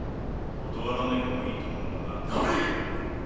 断らん方がいいと思うがな。